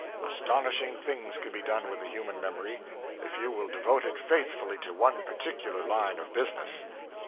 Astonishing things can be done with the human memory if you will devote it faithfully to one particular line of business.